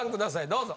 どうぞ。